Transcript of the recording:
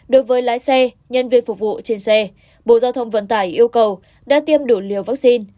đối với lái xe nhân viên phục vụ trên xe bộ giao thông vận tải yêu cầu đã tiêm đủ liều vaccine